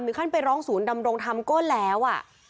ขั้นไปร้องศูนย์ดำรงธรรมก็แล้ว